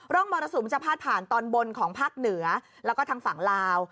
มรสุมจะพาดผ่านตอนบนของภาคเหนือแล้วก็ทางฝั่งลาว